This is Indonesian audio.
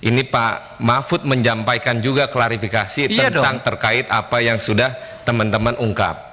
ini pak mahfud menjampaikan juga klarifikasi tentang terkait apa yang sudah teman teman ungkap